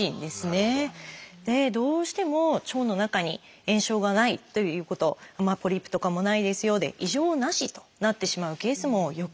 どうしても腸の中に炎症がないということポリープとかもないですよで異常なしとなってしまうケースもよくあります。